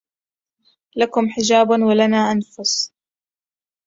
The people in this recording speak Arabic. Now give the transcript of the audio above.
لكم حجاب ولنا أنفس